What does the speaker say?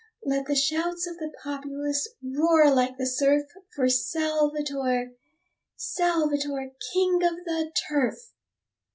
Let the shouts of the populace roar like the surf For Salvator, Salvator, king of the turf!